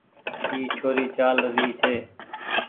اي ڇوري چآل رهي ڇي۔